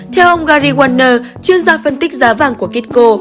theo ông gary warner chuyên gia phân tích giá vàng của kitco